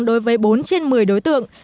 đối với bốn trên một mươi đối tượng